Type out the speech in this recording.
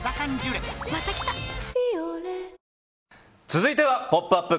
続いては「ポップＵＰ！」